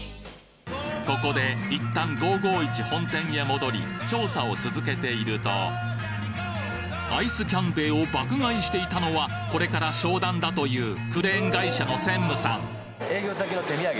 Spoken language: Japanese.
ここで一旦５５１本店へ戻り調査を続けているとアイスキャンデーを爆買いしていたのはこれから商談だというクレーン会社の専務さん営業先の手土産？